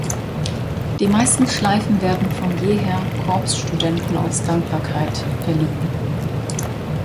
Die meisten Schleifen werden von jeher Corpsstudenten aus Dankbarkeit verliehen.